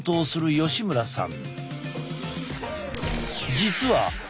吉村さん